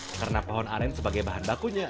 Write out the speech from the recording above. karena pohon aren sebagai bahan bakunya